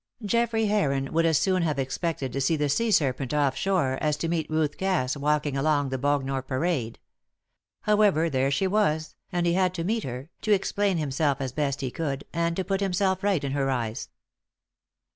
Geoffrey Heron would as soon have expected to see the sea serpent off shore as to meet Ruth Cass walking along the Bognor Parade. However, there she was, and he had to meet her, to explain himself as best he could, and to put himself right in her eyes.